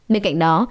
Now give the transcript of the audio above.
bên cạnh đó